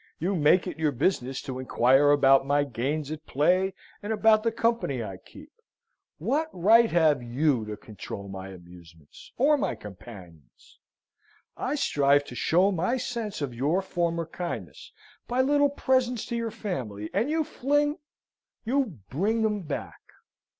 You make it your business to inquire about my gains at play, and about the company I keep. What right have you to control my amusements or my companions? I strive to show my sense of your former kindness by little presents to your family, and you fling you bring them back."